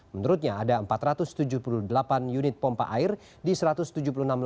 menurutnya ada empat ratus tujuh puluh delapan unit pompa air di satu ratus tujuh puluh enam km